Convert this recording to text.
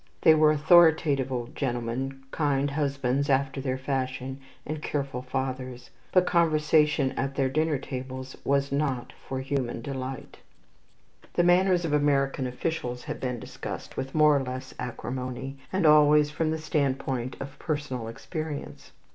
They were authoritative old gentlemen, kind husbands after their fashion, and careful fathers; but conversation at their dinner tables was not for human delight. The manners of American officials have been discussed with more or less acrimony, and always from the standpoint of personal experience.